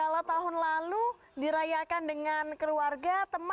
iya orang orang kita semakin berke guests ini juga